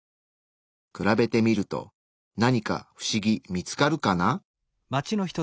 比べてみると何かフシギ見つかるかな？